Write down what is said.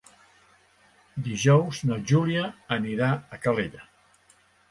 Dijous na Júlia anirà a Calella.